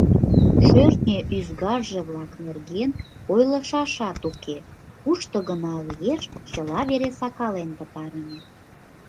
Шӧртньӧ ӱзгарже-влак нерген ойлышашат уке, кушто гына лиеш, чыла вере сакален пытарыме.